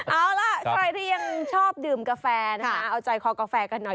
เอาล่ะใครที่ยังชอบดื่มกาแฟนะคะเอาใจคอกาแฟกันหน่อย